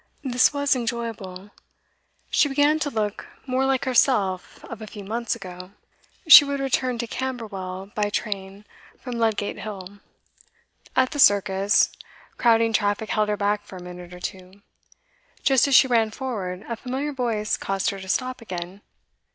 This was enjoyable; she began to look more like herself of a few months ago. She would return to Camberwell by train from Ludgate Hill. At the circus, crowding traffic held her back for a minute or two; just as she ran forward, a familiar voice caused her to stop again.